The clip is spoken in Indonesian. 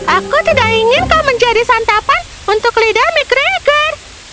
aku tidak ingin kau menjadi santapan untuk lidah mcgregor